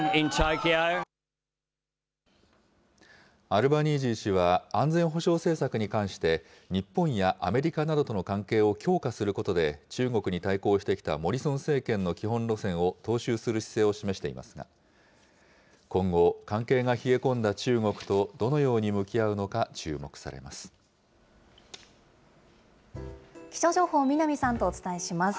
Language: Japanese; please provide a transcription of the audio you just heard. アルバニージー氏は安全保障政策に関して、日本やアメリカなどとの関係を強化することで、中国に対抗してきたモリソン政権の基本路線を踏襲する姿勢を示していますが、今後、関係が冷え込んだ中国とどのように向き合うの気象情報、南さんとお伝えします。